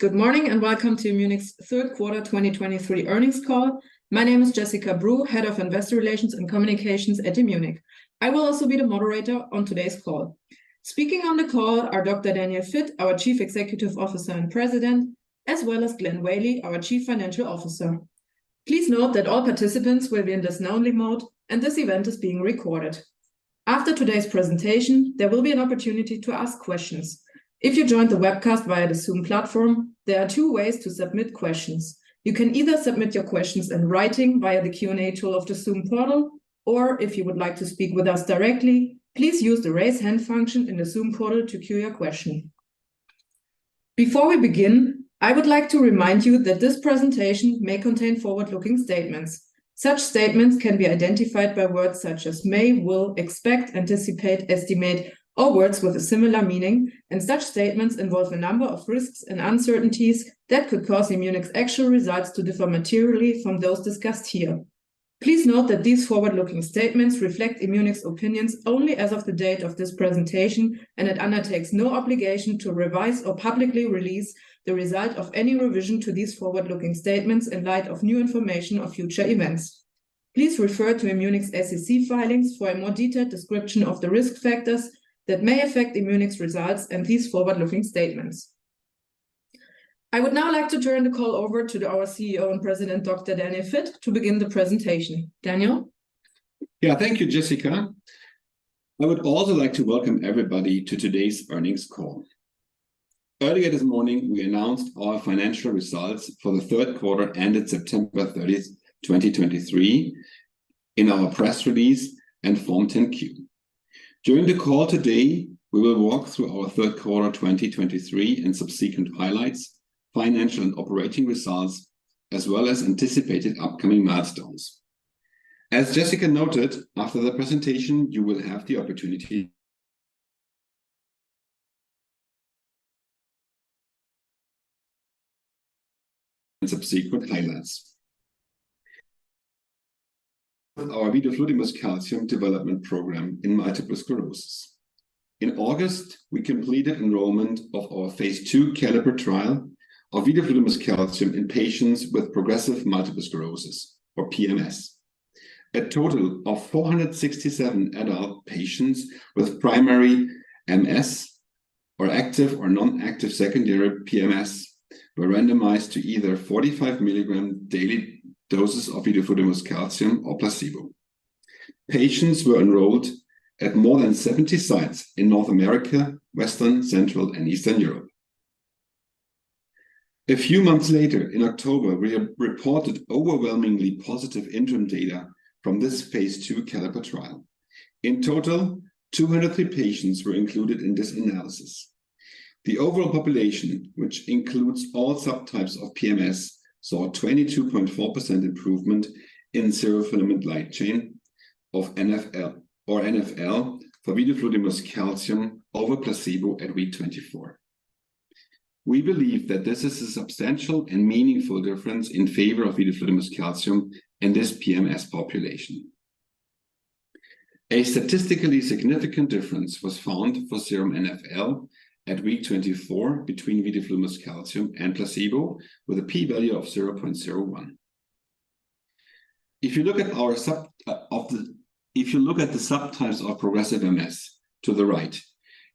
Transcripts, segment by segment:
Good morning, and welcome to Immunic's Third quarter 2023 earnings call. My name is Jessica Breu, Head of Investor Relations and Communications at Immunic. I will also be the Moderator on today's call. Speaking on the call are Dr. Daniel Vitt, our Chief Executive Officer and President, as well as Glenn Whaley, our Chief Financial Officer. Please note that all participants will be in this listen-only mode, and this event is being recorded. After today's presentation, there will be an opportunity to ask questions. If you joined the webcast via the Zoom platform, there are two ways to submit questions. You can either submit your questions in writing via the Q&A tool of the Zoom portal, or if you would like to speak with us directly, please use the Raise Hand function in the Zoom portal to queue your question. Before we begin, I would like to remind you that this presentation may contain forward-looking statements. Such statements can be identified by words such as may, will, expect, anticipate, estimate, or words with a similar meaning, and such statements involve a number of risks and uncertainties that could cause Immunic's actual results to differ materially from those discussed here. Please note that these forward-looking statements reflect Immunic's opinions only as of the date of this presentation, and it undertakes no obligation to revise or publicly release the result of any revision to these forward-looking statements in light of new information or future events. Please refer to Immunic's SEC filings for a more detailed description of the risk factors that may affect Immunic's results and these forward-looking statements. I would now like to turn the call over to our CEO and President, Dr. Daniel Vitt, to begin the presentation. Daniel? Yeah. Thank you, Jessica. I would also like to welcome everybody to today's Earnings Call. Earlier this morning, we announced our financial results for the third quarter ended September 30th, 2023, in our press release and Form 10-Q. During the call today, we will walk through our third quarter 2023 and subsequent highlights, financial and operating results, as well as anticipated upcoming milestones. As Jessica noted, after the presentation, you will have the opportunity. Subsequent highlights. Our vidofludimus calcium development program in multiple sclerosis. In August, we completed enrollment of our Phase 2 CALLIPER trial of vidofludimus calcium in patients with progressive multiple sclerosis or PMS. A total of 467 adult patients with primary MS or active or non-active secondary PMS were randomized to either 45 mg daily doses of vidofludimus calcium or placebo. Patients were enrolled at more than 70 sites in North America, Western, Central, and Eastern Europe. A few months later, in October, we have reported overwhelmingly positive interim data from this Phase 2 CALLIPER trial. In total, 203 patients were included in this analysis. The overall population, which includes all subtypes of PMS, saw a 22.4% improvement in neurofilament light chain of NfL- or NfL for vidofludimus calcium over placebo at week 24. We believe that this is a substantial and meaningful difference in favor of vidofludimus calcium in this PMS population. A statistically significant difference was found for serum NfL at week 24 between vidofludimus calcium and placebo, with a p value of 0.01. If you look at the subtypes of progressive MS to the right,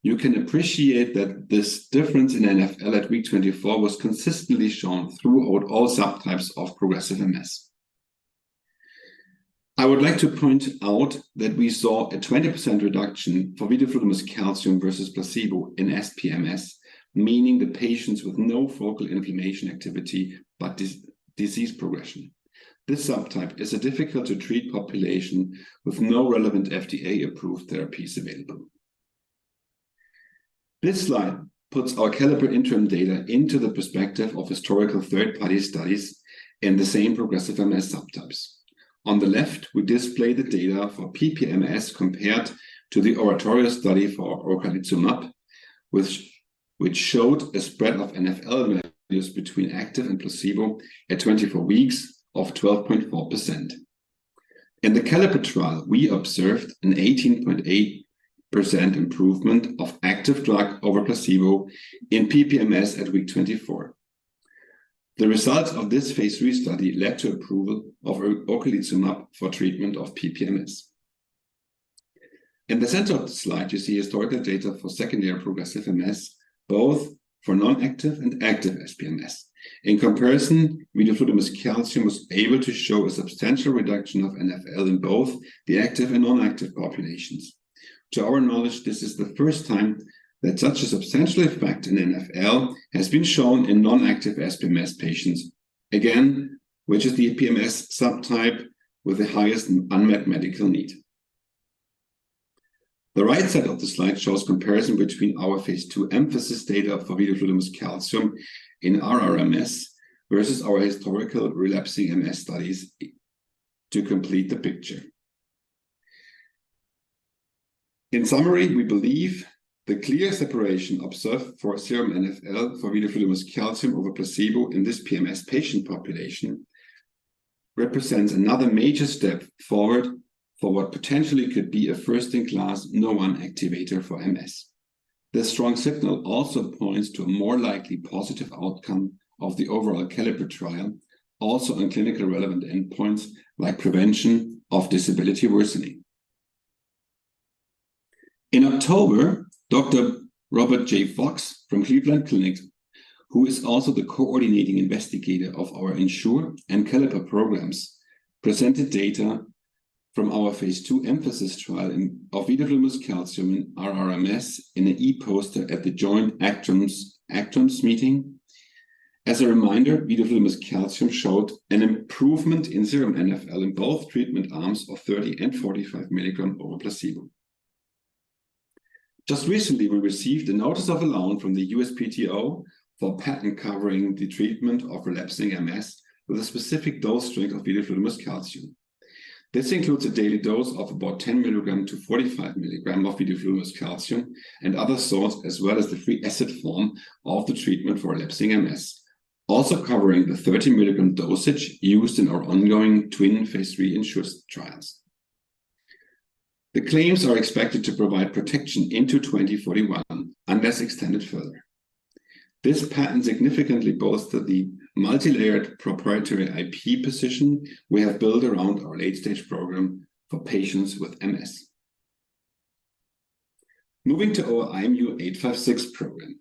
you can appreciate that this difference in NfL at week 24 was consistently shown throughout all subtypes of progressive MS. I would like to point out that we saw a 20% reduction for vidofludimus calcium versus placebo in SPMS, meaning the patients with no focal inflammation activity, but disease progression. This subtype is a difficult-to-treat population with no relevant FDA-approved therapies available. This slide puts our CALLIPER interim data into the perspective of historical third-party studies in the same progressive MS subtypes. On the left, we display the data for PPMS compared to the ORATORIO study for ocrelizumab, which showed a spread of NfL values between active and placebo at twenty-four weeks of 12.4%. In the CALLIPER trial, we observed an 18.8% improvement of active drug over placebo in PPMS at week 24. The results of this Phase 3 study led to approval of ocrelizumab for treatment of PPMS. In the center of the slide, you see historical data for secondary progressive MS, both for non-active and active SPMS. In comparison, vidofludimus calcium was able to show a substantial reduction of NfL in both the active and non-active populations. To our knowledge, this is the first time that such a substantial effect in NfL has been shown in non-active SPMS patients, again, which is the PMS subtype with the highest unmet medical need. The right side of the slide shows comparison between our Phase 2 EMPhASIS data for vidofludimus calcium in RRMS versus our historical relapsing MS studies to complete the picture. In summary, we believe the clear separation observed for serum NfL for vidofludimus calcium over placebo in this PMS patient population represents another major step forward for what potentially could be a first-in-class Nurr1 activator for MS. This strong signal also points to a more likely positive outcome of the overall CALLIPER trial, also in clinically relevant endpoints, like prevention of disability worsening. In October, Dr. Robert J. Fox from Cleveland Clinic, who is also the coordinating investigator of our ENSURE and CALLIPER programs, presented data from our phase II EMPhASIS trial of vidofludimus calcium in RRMS in an e-poster at the joint ECTRIMS-ACTRIMS Meeting. As a reminder, vidofludimus calcium showed an improvement in serum NfL in both treatment arms of 30 and 45 milligrams over placebo. Just recently, we received a notice of allowance from the USPTO for a patent covering the treatment of relapsing MS with a specific dose strength of vidofludimus calcium. This includes a daily dose of about 10 milligrams to 45 milligrams of vidofludimus calcium and other salts, as well as the free acid form of the treatment for relapsing MS, also covering the 30 milligram dosage used in our ongoing twin phase 3 ENSURE trials. The claims are expected to provide protection into 2041, unless extended further. This patent significantly bolsters the multilayered proprietary IP position we have built around our late-stage program for patients with MS. Moving to our IMU-856 program.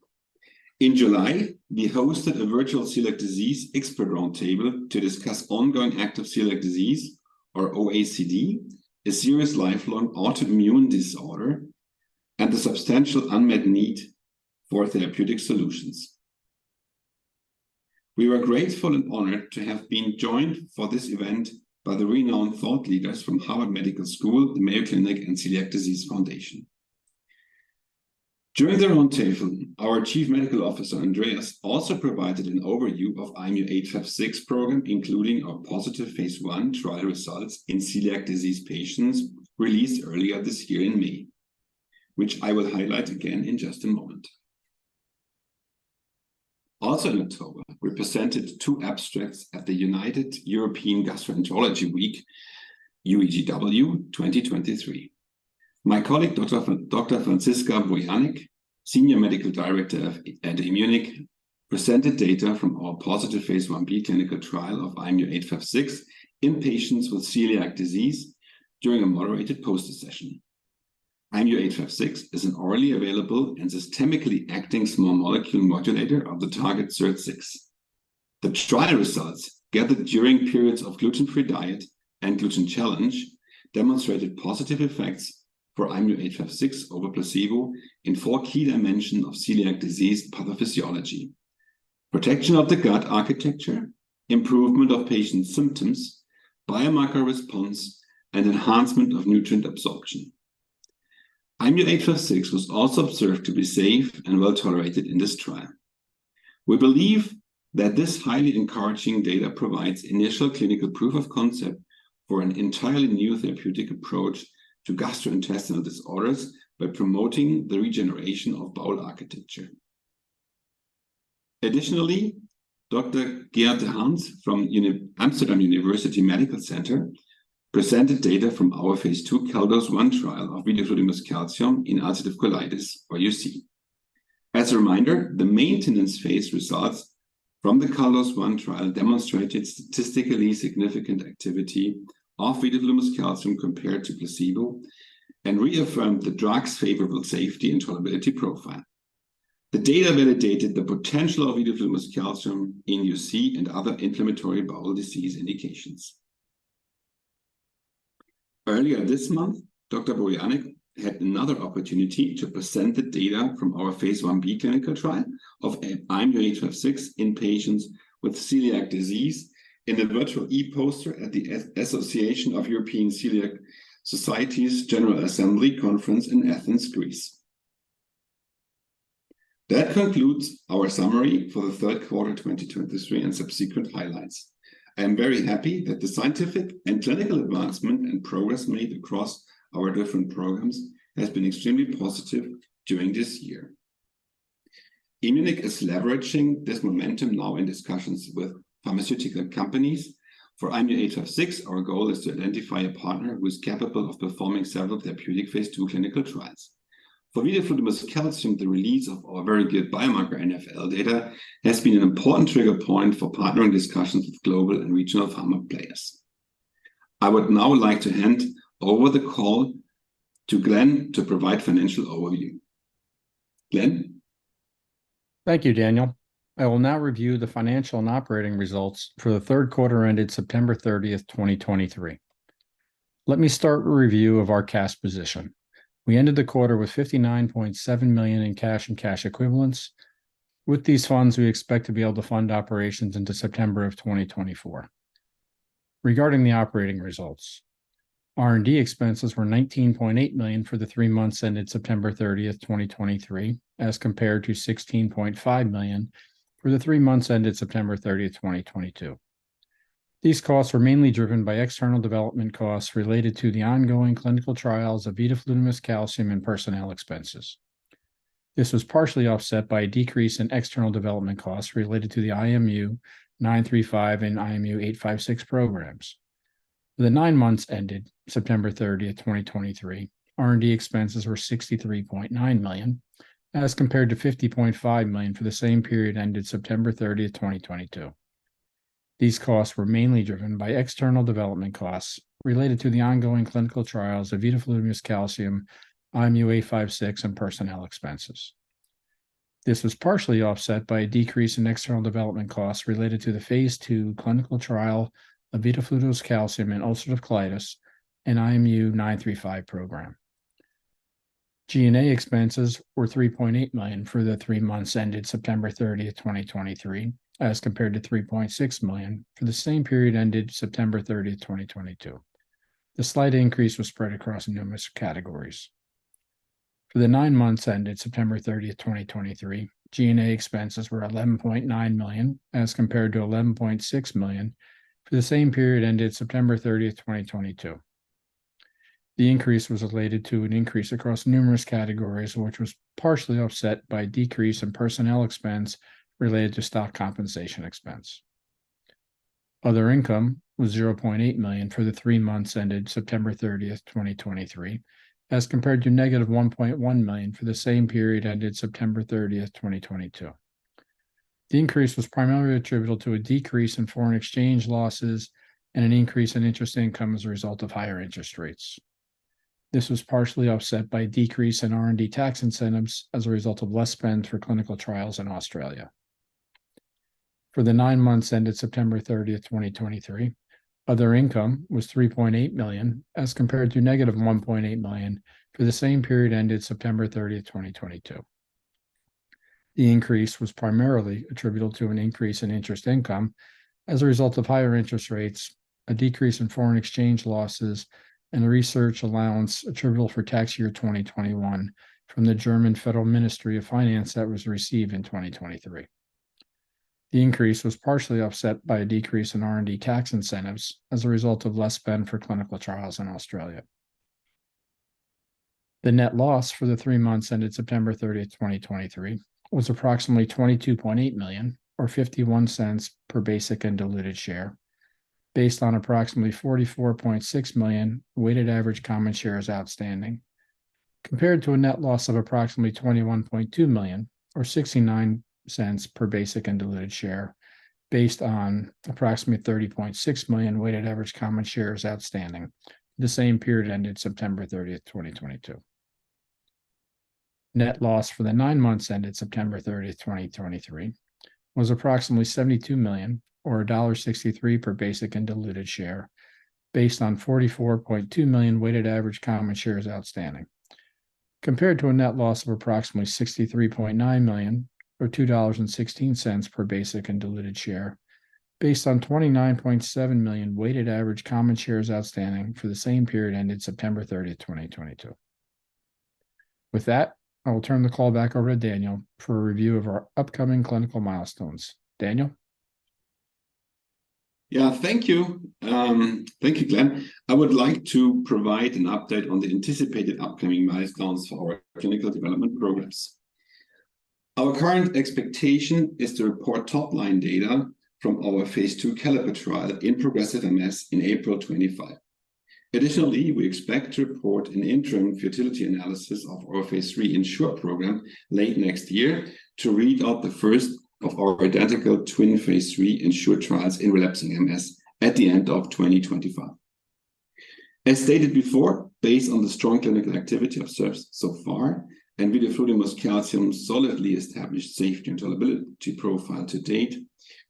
In July, we hosted a virtual celiac disease expert roundtable to discuss ongoing active celiac disease, or OACD, a serious lifelong autoimmune disorder, and the substantial unmet need for therapeutic solutions. We were grateful and honored to have been joined for this event by the renowned thought leaders from Harvard Medical School, the Mayo Clinic, and Celiac Disease Foundation. During the roundtable, our Chief Medical Officer, Andreas, also provided an overview of IMU-856 program, including our positive phase I trial results in celiac disease patients, released earlier this year in May, which I will highlight again in just a moment. Also in October, we presented two abstracts at the United European Gastroenterology Week, UEGW 2023. My colleague, Dr. Franziska Bojanek, Senior Medical Director at Immunic, presented data from our positive phase Ib clinical trial of IMU-856 in patients with celiac disease during a moderated poster session. IMU-856 is an orally available and systemically acting small molecule modulator of the target SIRT6. The trial results, gathered during periods of gluten-free diet and gluten challenge, demonstrated positive effects for IMU-856 over placebo in four key dimensions of celiac disease pathophysiology: protection of the gut architecture, improvement of patient's symptoms, biomarker response, and enhancement of nutrient absorption. IMU-856 was also observed to be safe and well-tolerated in this trial. We believe that this highly encouraging data provides initial clinical proof of concept for an entirely new therapeutic approach to gastrointestinal disorders by promoting the regeneration of bowel architecture. Additionally, Dr. Geert D'Haens from Amsterdam University Medical Center presented data from our phase II CALDOS I trial of vidofludimus calcium in ulcerative colitis or UC. As a reminder, the maintenance phase results from the CALDOS I trial demonstrated statistically significant activity of vidofludimus calcium compared to placebo and reaffirmed the drug's favorable safety and tolerability profile. The data validated the potential of vidofludimus calcium in UC and other inflammatory bowel disease indications. Earlier this month, Dr. Bojanek had another opportunity to present the data from our phase Ib clinical trial of IMU-856 in patients with celiac disease in a virtual e-poster at the Association of European Coeliac Societies General Assembly Conference in Athens, Greece. That concludes our summary for the third quarter 2023 and subsequent highlights. I am very happy that the scientific and clinical advancement and progress made across our different programs has been extremely positive during this year. Immunic is leveraging this momentum now in discussions with pharmaceutical companies. For IMU-856, our goal is to identify a partner who is capable of performing several therapeutic phase II clinical trials. For vidofludimus calcium, the release of our very good biomarker NfL data has been an important trigger point for partnering discussions with global and regional pharma players. I would now like to hand over the call to Glenn to provide financial overview. Glenn? Thank you, Daniel. I will now review the financial and operating results for the third quarter ended September 30, 2023. Let me start with a review of our cash position. We ended the quarter with $59.7 million in cash and cash equivalents. With these funds, we expect to be able to fund operations into September 2024. Regarding the operating results, R&D expenses were $19.8 million for the three months ended September 30, 2023, as compared to $16.5 million for the three months ended September 30th, 2022. These costs were mainly driven by external development costs related to the ongoing clinical trials of vidofludimus calcium and personnel expenses. This was partially offset by a decrease in external development costs related to the IMU-935 and IMU-856 programs. For the nine months ended September 30th, 2023, R&D expenses were $63.9 million, as compared to $50.5 million for the same period ended September 30th, 2022. These costs were mainly driven by external development costs related to the ongoing clinical trials of vidofludimus calcium, IMU-856, and personnel expenses. This was partially offset by a decrease in external development costs related to the Phase II clinical trial of vidofludimus calcium in ulcerative colitis and IMU-935 program. G&A expenses were $3.8 million for the three months ended September 30th, 2023, as compared to $3.6 million for the same period ended September 30th, 2022. The slight increase was spread across numerous categories. For the nine months ended September 30, 2023, G&A expenses were $11.9 million, as compared to $11.6 million for the same period ended September 30, 2022. The increase was related to an increase across numerous categories, which was partially offset by decrease in personnel expense related to stock compensation expense. Other income was $0.8 million for the three months ended September 30, 2023, as compared to -$1.1 million for the same period ended September 30, 2022. The increase was primarily attributable to a decrease in foreign exchange losses and an increase in interest income as a result of higher interest rates. This was partially offset by a decrease in R&D tax incentives as a result of less spend for clinical trials in Australia. For the 9 months ended September 30th, 2023, other income was $3.8 million, as compared to -$1.8 million for the same period ended September 30, 2022. The increase was primarily attributable to an increase in interest income as a result of higher interest rates, a decrease in foreign exchange losses, and the research allowance attributable for tax year 2021 from the German Federal Ministry of Finance that was received in 2023. The increase was partially offset by a decrease in R&D tax incentives as a result of less spend for clinical trials in Australia. The net loss for the three months ended September 30th, 2023, was approximately $22.8 million, or $0.51 per basic and diluted share, based on approximately 44.6 million weighted average common shares outstanding, compared to a net loss of approximately $21.2 million, or $0.69 per basic and diluted share, based on approximately 30.6 million weighted average common shares outstanding the same period ended September 30, 2022. Net loss for the nine months ended September 30, 2023, was approximately $72 million, or $1.63 per basic and diluted share, based on 44.2 million weighted average common shares outstanding, compared to a net loss of approximately $63.9 million, or $2.16 per basic and diluted share, based on 29.7 million weighted average common shares outstanding for the same period ended September 30th, 2022. With that, I will turn the call back over to Daniel for a review of our upcoming clinical milestones. Daniel? Yeah, thank you. Thank you, Glenn. I would like to provide an update on the anticipated upcoming milestones for our clinical development programs. Our current expectation is to report top-line data from our Phase II CALLIPER trial in progressive MS in April 2025. Additionally, we expect to report an interim futility analysis of our Phase III ENSURE program late next year to read out the first of our identical twin Phase III ENSURE trials in relapsing MS at the end of 2025. As stated before, based on the strong clinical activity observed so far, and vidofludimus calcium solidly established safety and tolerability profile to date,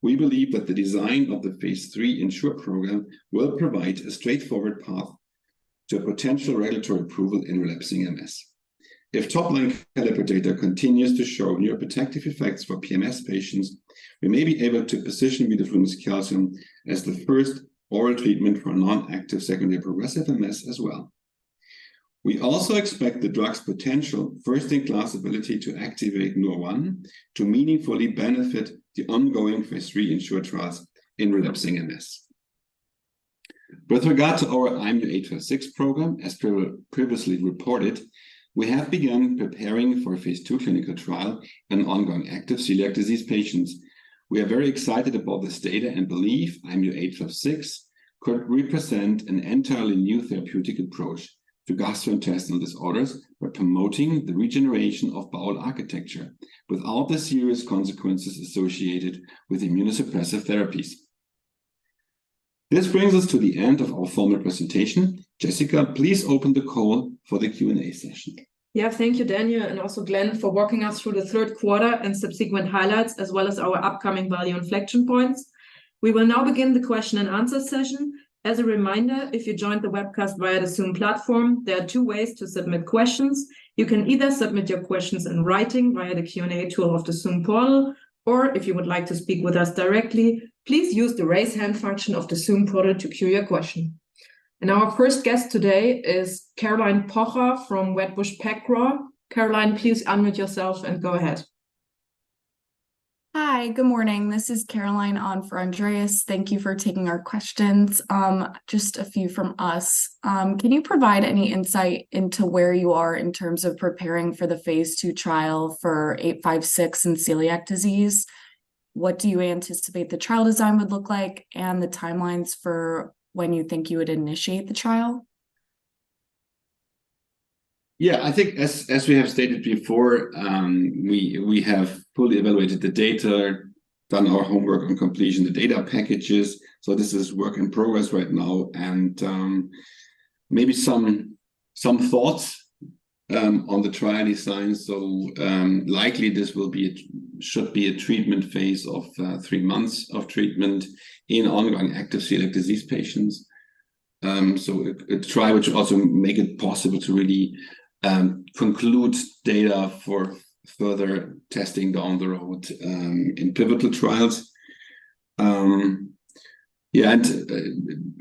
we believe that the design of the Phase III ENSURE program will provide a straightforward path to potential regulatory approval in relapsing MS. If top-line CALLIPER data continues to show neuroprotective effects for PMS patients, we may be able to position vidofludimus calcium as the first oral treatment for non-active secondary progressive MS as well. We also expect the drug's potential first-in-class ability to activate Nurr1 to meaningfully benefit the ongoing Phase III ENSURE trials in relapsing MS. With regard to our IMU-856 program, as previously reported, we have begun preparing for a Phase II clinical trial in ongoing active celiac disease patients. We are very excited about this data and believe IMU-856 could represent an entirely new therapeutic approach to gastrointestinal disorders by promoting the regeneration of bowel architecture without the serious consequences associated with immunosuppressive therapies. This brings us to the end of our formal presentation. Jessica, please open the call for the Q&A session. Yeah. Thank you, Daniel, and also Glenn, for walking us through the third quarter and subsequent highlights, as well as our upcoming value inflection points. We will now begin the question and answer session. As a reminder, if you joined the webcast via the Zoom platform, there are two ways to submit questions. You can either submit your questions in writing via the Q&A tool of the Zoom call, or if you would like to speak with us directly, please use the Raise Hand function of the Zoom portal to queue your question. Our first guest today is Caroline Pocher from Wedbush PacGrow. Caroline, please unmute yourself and go ahead.... Hi, good morning. This is Caroline on for Andreas. Thank you for taking our questions. Just a few from us. Can you provide any insight into where you are in terms of preparing for the Phase II trial for IMU-856 in celiac disease? What do you anticipate the trial design would look like, and the timelines for when you think you would initiate the trial? Yeah, I think as we have stated before, we have fully evaluated the data, done our homework on completion the data packages, so this is work in progress right now. And maybe some thoughts on the trial design. So likely this will be should be a treatment Phase of three months of treatment in ongoing active celiac disease patients. So a trial which also make it possible to really conclude data for further testing down the road in pivotal trials. Yeah, and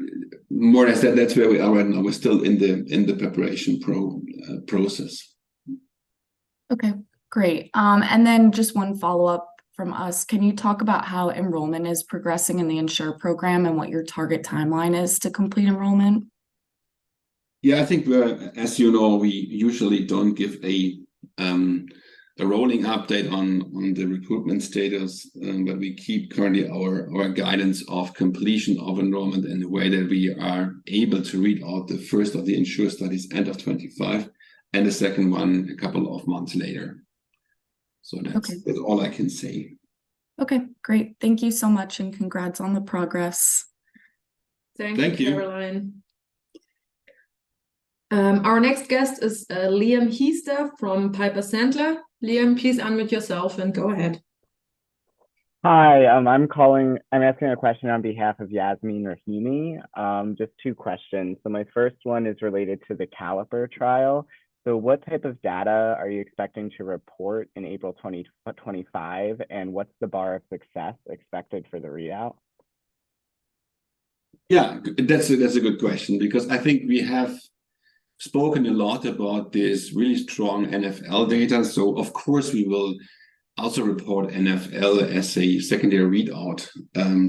more or less, that's where we are right now. We're still in the preparation process. Okay, great. Then just one follow-up from us. Can you talk about how enrollment is progressing in the ENSURE program, and what your target timeline is to complete enrollment? Yeah, I think, as you know, we usually don't give a, a rolling update on, on the recruitment status. But we keep currently our, our guidance of completion of enrollment and the way that we are able to read out the first of the ENSURE studies, end of 2025, and the second one a couple of months later. Okay. So that's all I can say. Okay, great. Thank you so much, and congrats on the progress. Thank you, Caroline. Thank you. Our next guest is, Liam Hiester from Piper Sandler. Liam, please unmute yourself and go ahead. Hi, I'm calling, I'm asking a question on behalf of Yasmeen Rahimi. Just two questions. My first one is related to the CALLIPER trial. What type of data are you expecting to report in April 2025, and what's the bar of success expected for the readout? Yeah, that's a good question, because I think we have spoken a lot about this really strong NfL data. So of course, we will also report NfL as a secondary readout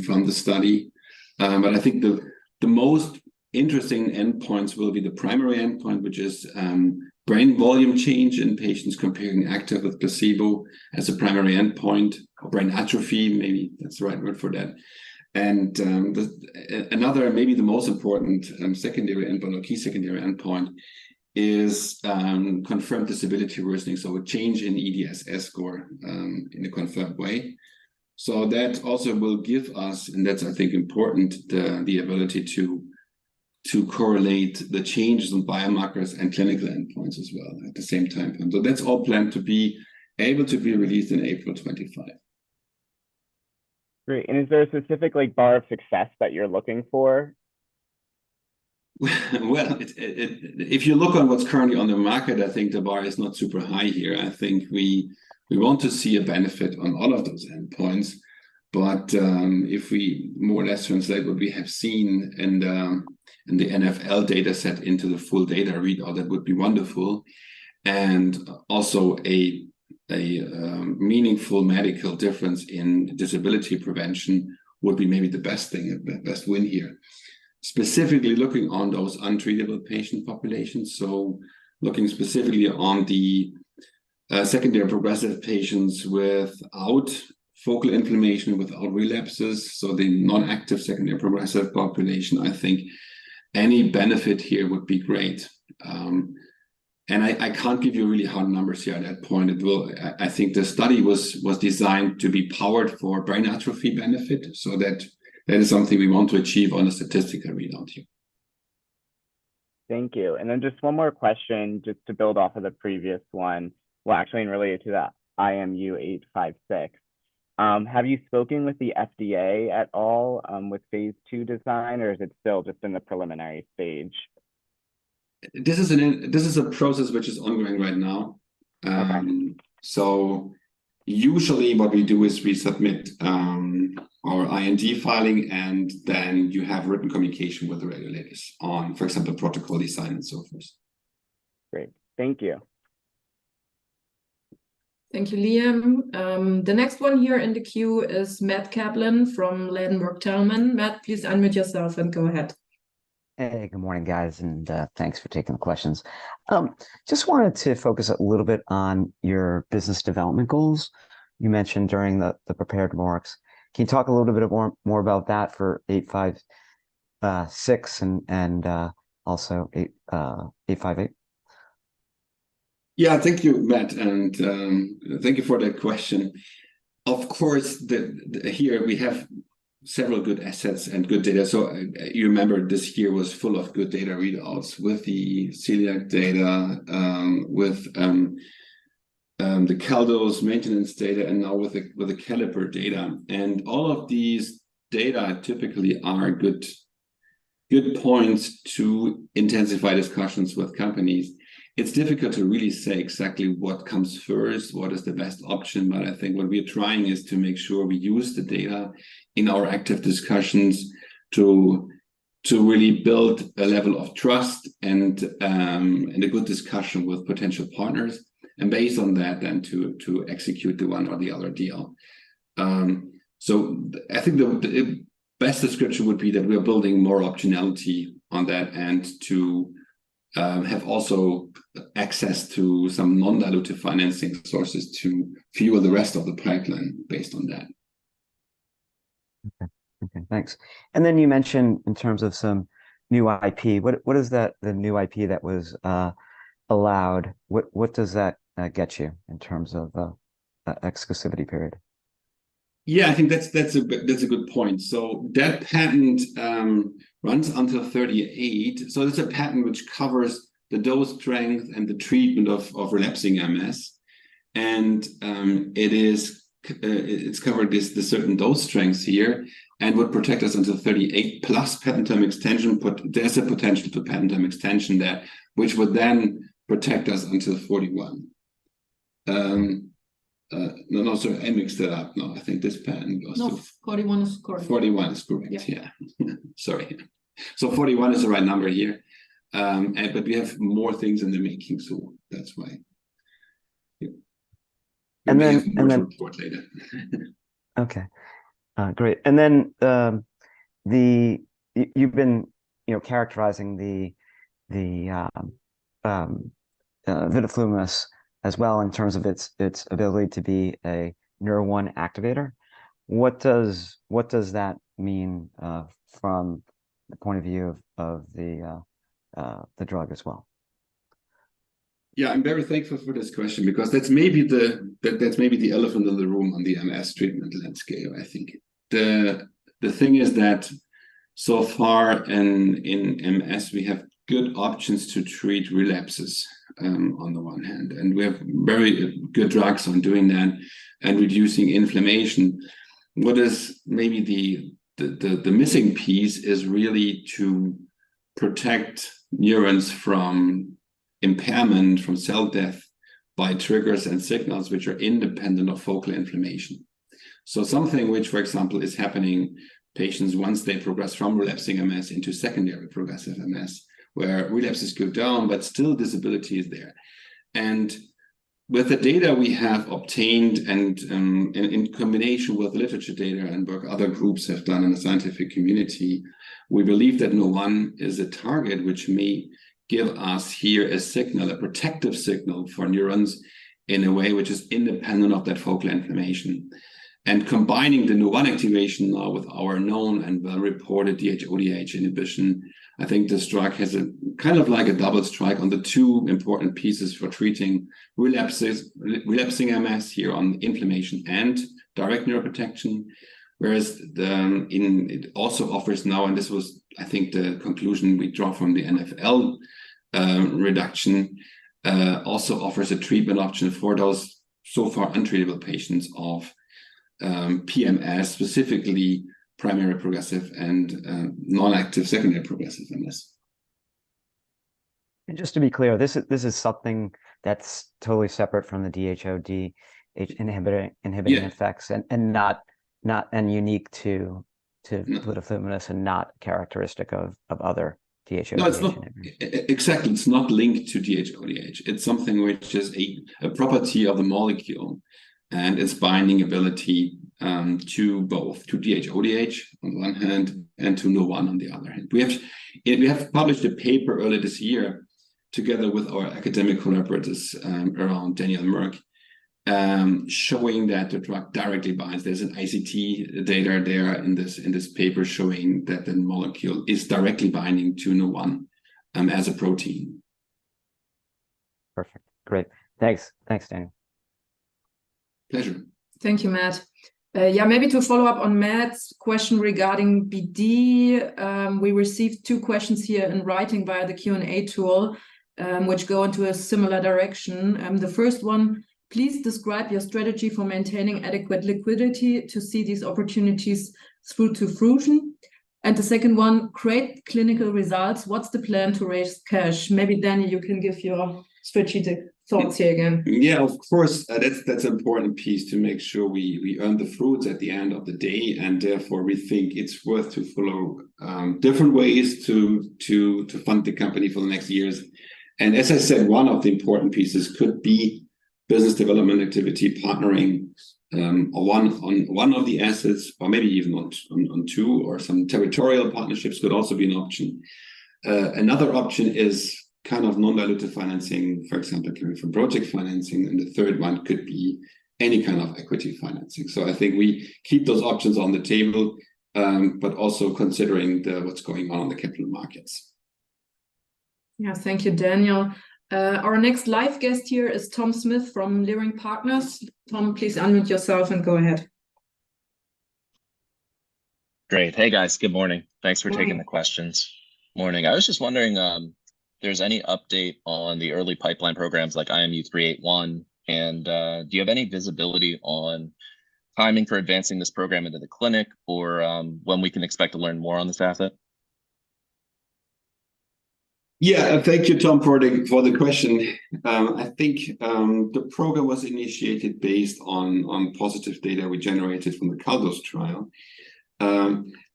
from the study. But I think the most interesting endpoints will be the primary endpoint, which is brain volume change in patients comparing active with placebo as a primary endpoint, or brain atrophy, maybe that's the right word for that. And another, and maybe the most important secondary endpoint or key secondary endpoint is confirmed disability worsening, so a change in EDSS score in a confirmed way. So that also will give us, and that's, I think, important, the ability to correlate the changes in biomarkers and clinical endpoints as well at the same time. That's all planned to be able to be released in April 2025. Great, and is there a specific, like, bar of success that you're looking for? Well, if you look on what's currently on the market, I think the bar is not super high here. I think we want to see a benefit on all of those endpoints, but if we more or less translate what we have seen in the NfL data set into the full data readout, that would be wonderful. And also a meaningful medical difference in disability prevention would be maybe the best thing, the best win here. Specifically looking on those untreatable patient populations, so looking specifically on the secondary progressive patients without focal inflammation, without relapses, so the non-active secondary progressive population, I think any benefit here would be great. And I can't give you really hard numbers here at that point. It will... I think the study was designed to be powered for brain atrophy benefit, so that is something we want to achieve on a statistical readout here. Thank you. And then just one more question, just to build off of the previous one. Well, actually, and related to the IMU-856. Have you spoken with the FDA at all, with Phase II design, or is it still just in the preliminary stage? This is a process which is ongoing right now. Okay. So usually what we do is we submit our IND filing, and then you have written communication with the regulators on, for example, protocol design and so forth. Great. Thank you. Thank you, Liam. The next one here in the queue is Matt Kaplan from Ladenburg Thalmann. Matt, please unmute yourself and go ahead. Hey, good morning, guys, and thanks for taking the questions. Just wanted to focus a little bit on your business development goals you mentioned during the prepared remarks. Can you talk a little bit more about that for 856 and also 858? Yeah, thank you, Matt, and thank you for that question. Of course, here we have several good assets and good data. So, you remember this year was full of good data readouts with the celiac data, with the CALDOS maintenance data, and now with the CALLIPER data. And all of these data typically are good, good points to intensify discussions with companies. It's difficult to really say exactly what comes first, what is the best option, but I think what we are trying is to make sure we use the data in our active discussions to really build a level of trust and a good discussion with potential partners, and based on that, then to execute the one or the other deal. So I think the best description would be that we are building more optionality on that end to have also access to some non-dilutive financing sources to fuel the rest of the pipeline based on that. Okay, okay, thanks. And then you mentioned in terms of some new IP, what, what is that, the new IP that was allowed? What, what does that get you in terms of a exclusivity period? Yeah, I think that's a good point. So that patent runs until 2038. So it's a patent which covers the dose strength and the treatment of relapsing MS. And it covers the certain dose strengths here, and would protect us until 2038, plus patent term extension, but there's a potential for patent term extension there, which would then protect us until 2041. No, sorry, I mixed it up. No, I think this patent goes to- No, '41 is correct. 41 is correct. Yeah. Yeah. Sorry. So 41 is the right number here. And but we have more things in the making, so that's why. Yeah. And then, More to report later. Okay. Great, and then, you've been, you know, characterizing the vidofludimus as well in terms of its ability to be a Nurr1 activator. What does that mean, from the point of view of the drug as well? Yeah, I'm very thankful for this question because that's maybe the elephant in the room on the MS treatment landscape, I think. The thing is that so far in MS, we have good options to treat relapses on the one hand, and we have very good drugs on doing that and reducing inflammation. What is maybe the missing piece is really to protect neurons from impairment, from cell death by triggers and signals which are independent of focal inflammation. So something which, for example, is happening patients once they progress from relapsing MS into secondary progressive MS, where relapses go down, but still disability is there. And with the data we have obtained, and in combination with literature data and work other groups have done in the scientific community, we believe that Nurr1 is a target which may give us here a signal, a protective signal for neurons, in a way which is independent of that focal inflammation. And combining the Nurr1 activation now with our known and well-reported DHODH inhibition, I think this drug has a kind of like a double strike on the two important pieces for treating relapses, relapsing MS here on inflammation and direct neuroprotection. Whereas it also offers now, and this was, I think, the conclusion we draw from the NfL reduction, also offers a treatment option for those so far untreatable patients of PMS, specifically primary progressive and non-active secondary progressive MS. Just to be clear, this is something that's totally separate from the DHODH inhibitor inhibiting- Yeah... effects and not unique to Yeah... vidofludimus and not characteristic of other DHODH inhibitors? No, it's not. Exactly, it's not linked to DHODH. It's something which is a property of the molecule and its binding ability to both, to DHODH on one hand, and to Nurr1 on the other hand. We have published a paper earlier this year together with our academic collaborators around Daniel Merk showing that the drug directly binds. There's an ITC data there in this paper showing that the molecule is directly binding to Nurr1 as a protein. Perfect. Great. Thanks. Thanks, Daniel. Pleasure. Thank you, Matt. Yeah, maybe to follow up on Matt's question regarding BD, we received two questions here in writing via the Q&A tool, which go into a similar direction. The first one: Please describe your strategy for maintaining adequate liquidity to see these opportunities through to fruition. And the second one: Great clinical results, what's the plan to raise cash? Maybe, Daniel, you can give your strategic thoughts here again. Yeah, of course, that's an important piece to make sure we earn the fruits at the end of the day, and therefore, we think it's worth to follow different ways to fund the company for the next years. And as I said, one of the important pieces could be business development activity, partnering on one of the assets, or maybe even on two, or some territorial partnerships could also be an option. Another option is kind of non-dilutive financing, for example, coming from project financing, and the third one could be any kind of equity financing. So I think we keep those options on the table, but also considering what's going on in the capital markets. Yeah. Thank you, Daniel. Our next live guest here is Tom Smith from Leerink Partners. Tom, please unmute yourself and go ahead. Great. Hey, guys, good morning. Good morning. Thanks for taking the questions. Morning. I was just wondering, if there's any update on the early pipeline programs like IMU-381, and, do you have any visibility on timing for advancing this program into the clinic, or, when we can expect to learn more on this asset? ... Yeah, thank you, Tom, for the question. I think the program was initiated based on positive data we generated from the CALDOS trial.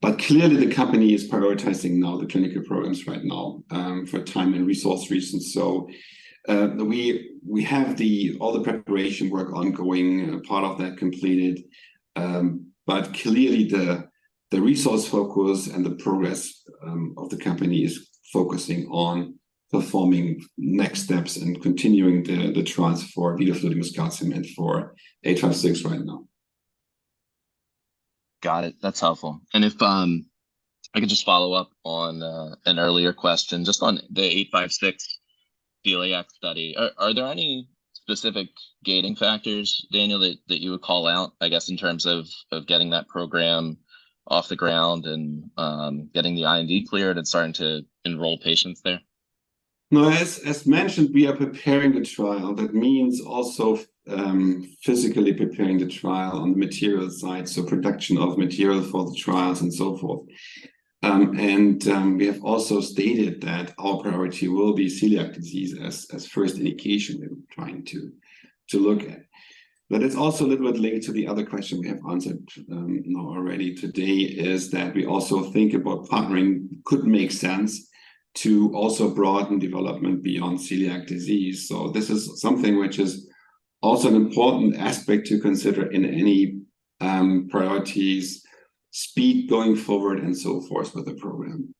But clearly, the company is prioritizing now the clinical programs right now for time and resource reasons. We have all the preparation work ongoing, and a part of that completed. But clearly, the resource focus and the progress of the company is focusing on performing next steps and continuing the trials for vidofludimus calcium and for IMU-856 right now. Got it. That's helpful. And if I could just follow up on an earlier question, just on the IMU-856 celiac study. Are there any specific gating factors, Daniel, that you would call out, I guess, in terms of getting that program off the ground and getting the IND cleared and starting to enroll patients there? No, as mentioned, we are preparing a trial. That means also physically preparing the trial on the material side, so production of material for the trials and so forth. And we have also stated that our priority will be celiac disease as first indication we're trying to look at. But it's also a little bit related to the other question we have answered already today, is that we also think about partnering could make sense to also broaden development beyond celiac disease. So this is something which is also an important aspect to consider in any priorities, speed going forward, and so forth with the program.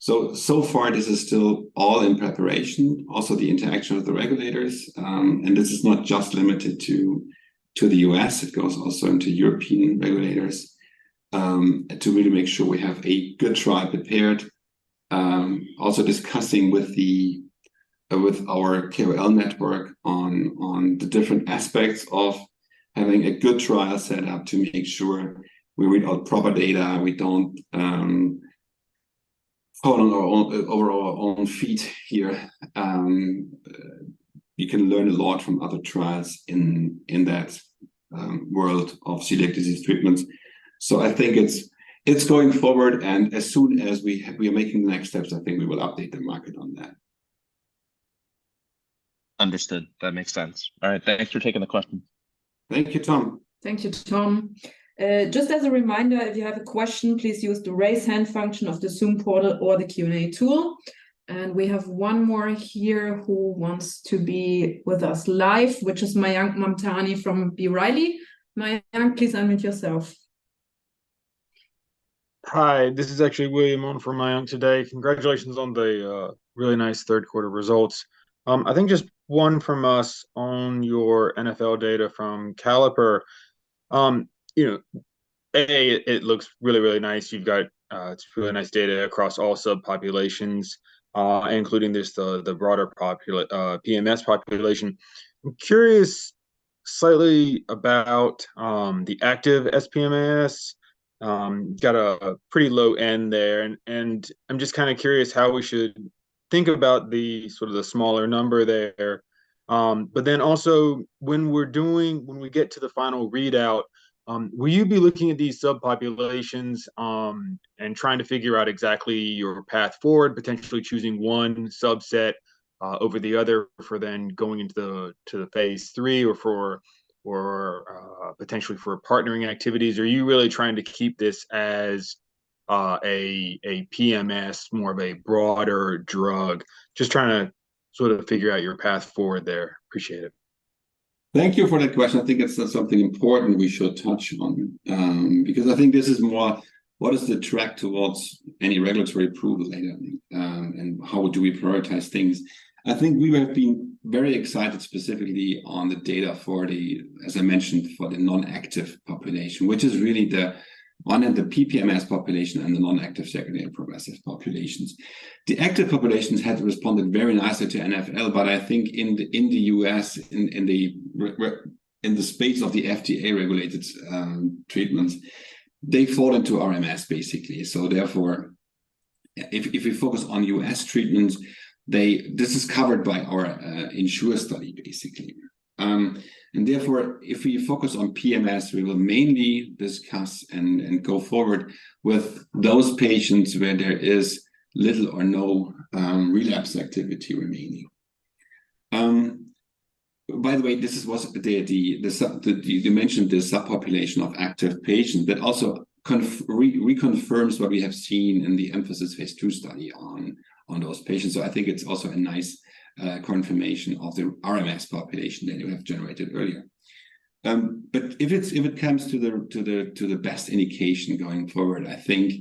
So far, this is still all in preparation, also the interaction with the regulators. And this is not just limited to the U.S., it goes also into European regulators, to really make sure we have a good trial prepared. Also discussing with our KOL network on the different aspects of having a good trial set up to make sure we read out proper data, we don't fall on our own, over our own feet here. You can learn a lot from other trials in that world of celiac disease treatments. So I think it's going forward, and as soon as we are making the next steps, I think we will update the market on that. Understood. That makes sense. All right, thanks for taking the question. Thank you, Tom. Thank you, Tom. Just as a reminder, if you have a question, please use the Raise Hand function of the Zoom portal or the Q&A tool. And we have one more here who wants to be with us live, which is Mayank Mamtani from B. Riley. Mayank, please unmute yourself. Hi, this is actually William on for Mayank today. Congratulations on the really nice third quarter results. I think just one from us on your NfL data from CALLIPER. You know, it looks really, really nice. You've got, it's really nice data across all subpopulations, including just the broader PMS population. I'm curious slightly about the active SPMS. Got a pretty low end there, and I'm just kind of curious how we should think about the sort of the smaller number there. But then also, when we're doing... When we get to the final readout, will you be looking at these subpopulations, and trying to figure out exactly your path forward, potentially choosing one subset over the other for then going into the, to the Phase III or IV, or, potentially for partnering activities? Or are you really trying to keep this as a PMS, more of a broader drug? Just trying to sort of figure out your path forward there. Appreciate it. Thank you for that question. I think it's something important we should touch on, because I think this is more what is the track towards any regulatory approval later, and how do we prioritize things? I think we have been very excited specifically on the data for the, as I mentioned, for the non-active population, which is really the one in the PPMS population and the non-active secondary progressive populations. The active populations had responded very nicely to NFL, but I think in the U.S., in the space of the FDA-regulated treatments, they fall into RMS, basically. So therefore, if we focus on U.S. treatments, this is covered by our ENSURE study, basically. Therefore, if we focus on PMS, we will mainly discuss and go forward with those patients where there is little or no relapse activity remaining. By the way, this is the subpopulation of active patients you mentioned, but also reconfirms what we have seen in the EMPhASIS Phase II study on those patients. So I think it's also a nice confirmation of the RMS population that you have generated earlier. But if it comes to the best indication going forward, I think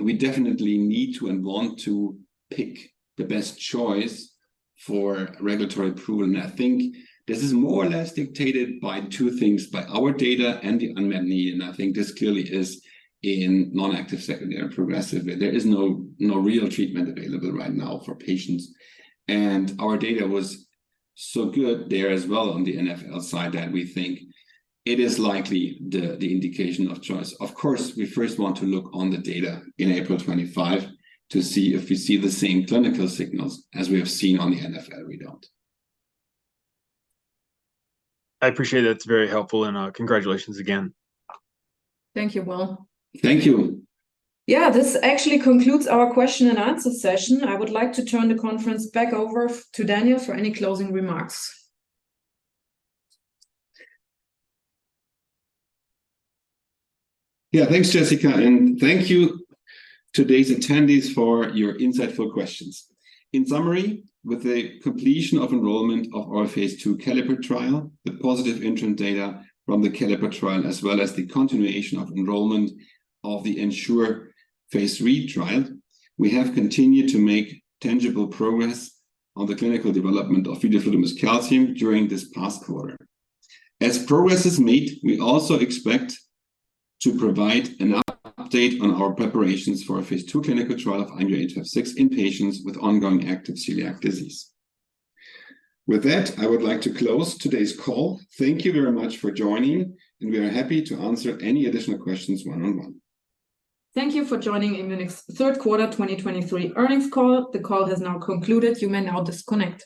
we definitely need to and want to pick the best choice for regulatory approval. I think this is more or less dictated by two things: by our data and the unmet need, and I think this clearly is in non-active secondary progressive. There is no, no real treatment available right now for patients. Our data was so good there as well on the NfL side, that we think it is likely the, the indication of choice. Of course, we first want to look on the data in April 2025 to see if we see the same clinical signals as we have seen on the NfL readout. I appreciate it. It's very helpful and, congratulations again. Thank you, Will. Thank you. Yeah, this actually concludes our question and answer session. I would like to turn the conference back over to Daniel for any closing remarks. Yeah, thanks, Jessica, and thank you to today's attendees for your insightful questions. In summary, with the completion of enrollment of our Phase II CALLIPER trial, the positive interim data from the CALLIPER trial, as well as the continuation of enrollment of the ENSURE Phase III trial, we have continued to make tangible progress on the clinical development of vidofludimus calcium during this past quarter. As progress is made, we also expect to provide an update on our preparations for a Phase II clinical trial of IMU-856 in patients with ongoing active celiac disease. With that, I would like to close today's call. Thank you very much for joining, and we are happy to answer any additional questions one-on-one. Thank you for joining Immunic Third Quarter 2023 Earnings Call. The call has now concluded. You may now disconnect.